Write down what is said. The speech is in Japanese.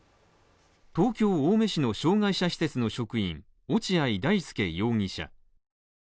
東京・青梅市の障害者施設の職員、落合大丞容疑者。